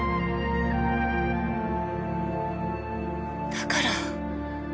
だから。